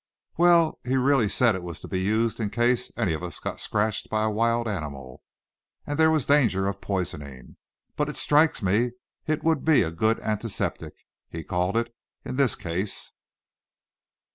"Well, he really said it was to be used in case any of us got scratched by a wild animal, and there was danger of poisoning; but it strikes me it would be a good antiseptic, he called it, in this case."